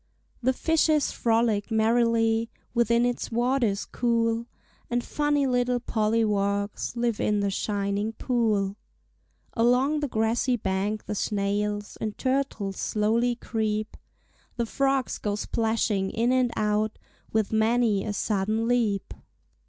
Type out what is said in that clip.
The fishes frolic merrily Within its waters cool, And funny little polliwogs Live in the shining pool. Along the grassy bank the snails And turtles slowly creep; The frogs go splashing in and out With many a sudden leap.